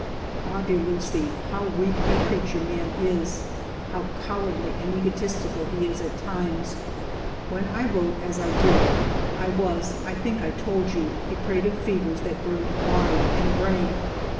"Ah, dear Lucie, how weak a creature man is, how cowardly and egotistical he is at times ! When I wrote as I did, I was, I think I told you, a prey to fevers that burned body and brain.